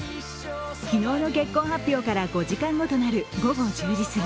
昨日の結婚発表から５時間後となる午後１０時すぎ。